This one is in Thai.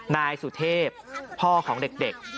นายสุเทพพ่อของเด็ก